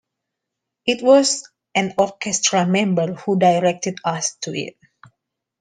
It was an orchestra member who directed us to it.